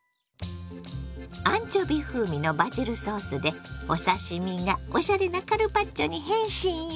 アンチョビ風味のバジルソースでお刺身がおしゃれなカルパッチョに変身よ！